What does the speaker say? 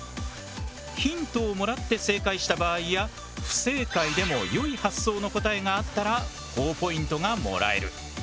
ヒントをもらって正解した場合や不正解でもよい発想の答えがあったらほぉポイントがもらえる。